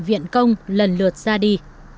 viện công lần lượt ra đi